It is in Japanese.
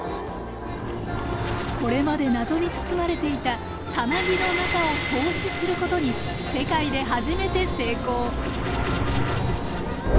これまで謎に包まれていたさなぎの中を透視することに世界で初めて成功！